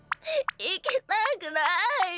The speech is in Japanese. いきたくないよ。